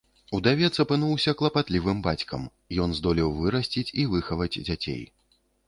Удавец апынуўся клапатлівым бацькам, ён здолеў вырасціць і выхаваць дзяцей.